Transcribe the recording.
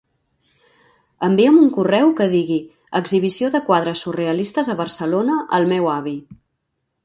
Envia'm un correu que digui "exhibició de quadres surrealistes a Barcelona" al meu avi.